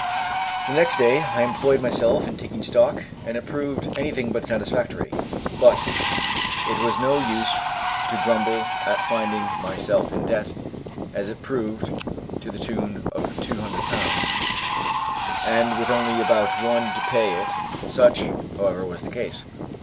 The next day I employed myself in taking stock, and it proved anything but satisfactory; but it was no use to grumble at finding myself in debt, as it proved, to the tune of two hundred pounds, and with only about one to pay it, such, however, was the case.